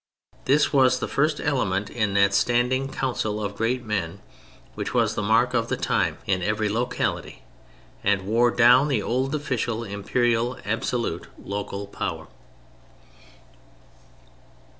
This was the first element in that standing "Council of Great Men" which was the mark of the time in every locality and wore down the old official, imperial, absolute, local power.